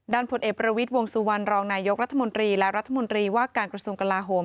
ผลเอกประวิทย์วงสุวรรณรองนายกรัฐมนตรีและรัฐมนตรีว่าการกระทรวงกลาโหม